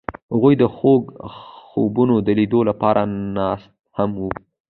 هغوی د خوږ خوبونو د لیدلو لپاره ناست هم وو.